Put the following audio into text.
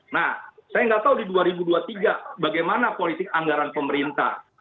nah saya nggak tahu di dua ribu dua puluh tiga bagaimana politik anggaran pemerintah